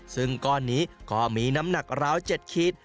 ซึ่งก้อนนี้ก็มีน้ำหนักราว๗ขีด